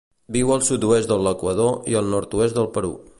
Viu al sud-oest de l'Equador i el nord-oest del Perú.